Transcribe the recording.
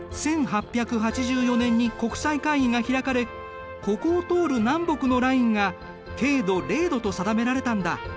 １８８４年に国際会議が開かれここを通る南北のラインが経度０度と定められたんだ。